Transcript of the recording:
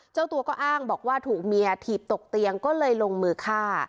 เจ้าตัวก็อ้างบอกว่าถูกเมียถีบตกเตียงก็เลยลงมือฆ่า